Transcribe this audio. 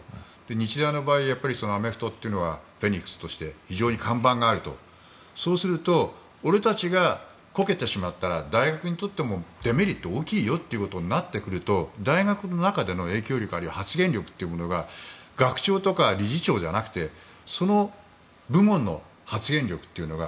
日大の場合、アメフトというのはフェニックスとして非常に看板があるとなると俺たちがこけてしまったら大学にとってもデメリットが大きいよということになってくると大学の中での影響力、発言力が学長とか理事長じゃなくてその部門の発言力というのが。